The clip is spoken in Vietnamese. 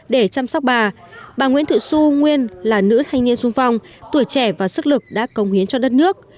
để chăm sóc bà bà nguyễn thị xu nguyên là nữ thanh niên sung phong tuổi trẻ và sức lực đã công hiến cho đất nước